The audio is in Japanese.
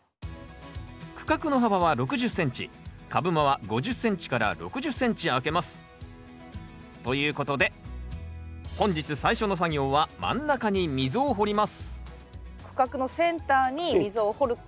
区画の幅は６０ｃｍ株間は５０ｃｍ６０ｃｍ空けます。ということで本日最初の作業は真ん中に溝を掘ります区画のそうですね。